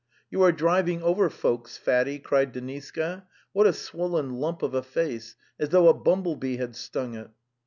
'You are driving over folks, fatty!" cried De niska. '' What a swollen lump of a face, as though a bumble bee had stung it!"